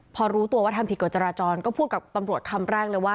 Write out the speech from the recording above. พอรู้ตัวว่าทำผิดกฎจราจรก็พูดกับตำรวจคำแรกเลยว่า